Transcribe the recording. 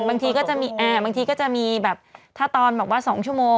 บางทีก็จะมีแบบถ้าตอนบอกว่า๒ชั่วโมง